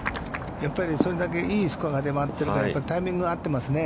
やっぱりそれだけいいスコアが出ているから、やっぱりタイミングが合ってますね。